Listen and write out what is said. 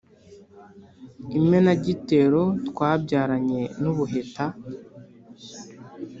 imenagitero twabyaranye n’ubuheta